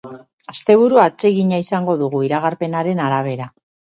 Asteburu atsegina izango dugu, iragarpenaren arabera.